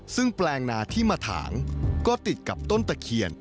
ซึ่งแปลงนาที่มาถางก็ติดกับต้นตะเคียน